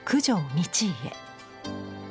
道家。